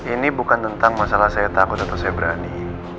ini bukan tentang masalah saya takut atau saya berani